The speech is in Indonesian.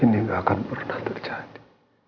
ini akan pernah terjadi